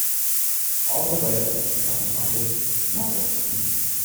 All the wealth comes from the pockets.